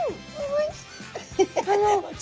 おいしい。